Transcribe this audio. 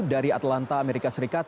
dari atlanta amerika serikat